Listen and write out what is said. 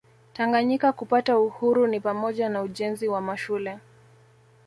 Tanganyika kupata uhuru ni pamoja na ujenzi wa mashule